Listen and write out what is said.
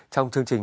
trong chương trình